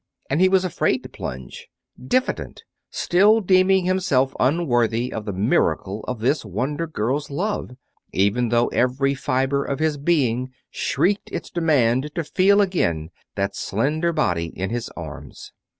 And he was afraid to plunge diffident, still deeming himself unworthy of the miracle of this wonder girl's love even though every fiber of his being shrieked its demand to feel again that slender body in his arms.